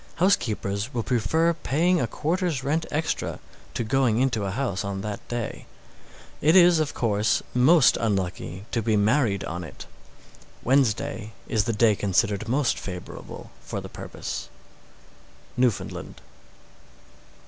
Housekeepers will prefer paying a quarter's rent extra to going into a house on that day. It is, of course, most unlucky to be married on it. Wednesday is the day considered most favorable for the purpose. _Newfoundland.